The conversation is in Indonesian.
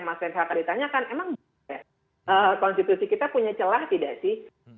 masyarakat ditanya kan emang konstitusi kita punya celah tidak sih